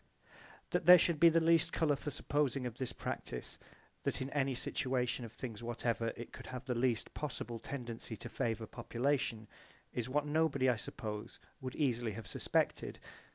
That there should be the least colour for supposing of this practise that in any situation of things whatever it could have the least possible tendency to favour population is what nobody I suppose would easily have suspected.